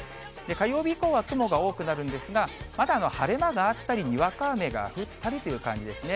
火曜日以降は雲が多くなるんですが、まだ晴れ間があったり、にわか雨が降ったりという感じですね。